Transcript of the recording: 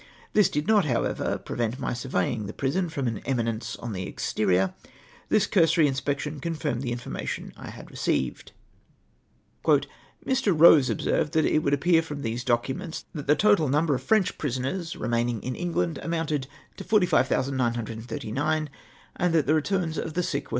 This did not, however, prevent my surveying the prison from an eminence on the exterior : this cursory inspection confirmed the information I had received. " Mu. Rose observed that it would appear from these documents that the total iiumlier of French prisoners re maining in England amounted to 45,939, and that the returns of the sick were 321.